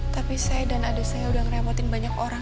tapi saya dan adik saya udah ngeremotin banyak orang